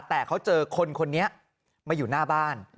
แต่เขาเจอคนคนนี้มาอยู่หน้าบ้าน